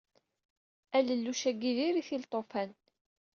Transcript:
Alelluc agi d-irri-t i lṭufan!